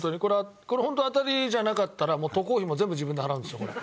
これホントあたりじゃなかったらもう渡航費も全部自分で払うんですよこれ。